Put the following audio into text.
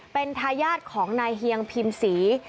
เป็นทายาทของนายเฮียงพิมศรี